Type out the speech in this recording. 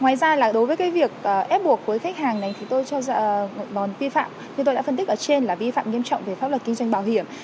ngoài ra là đối với cái việc ép buộc với khách hàng này thì tôi cho còn vi phạm như tôi đã phân tích ở trên là vi phạm nghiêm trọng về pháp luật kinh doanh bảo hiểm